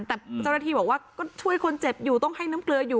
แต่เจ้าหน้าที่บอกว่าก็ช่วยคนเจ็บอยู่ต้องให้น้ำเกลืออยู่